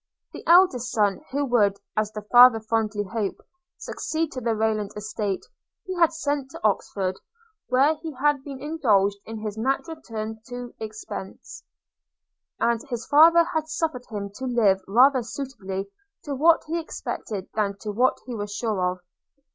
– The eldest son, who would, as the father fondly hoped, succeed to the Rayland estate, he had sent to Oxford, where he had been indulged in his natural turn to expence; and his father had suffered him to live rather suitably to what he expected than to what he was sure of.